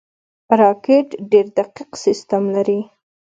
راکټ ډېر دقیق سیستم لري